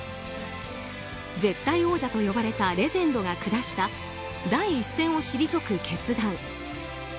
絶対王者と呼ばれたレジェンドが下した第一線を退く決断。